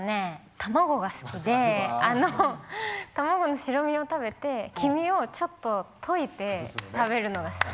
卵が好きで卵の白身を食べて黄身をちょっとといて食べるのが好き。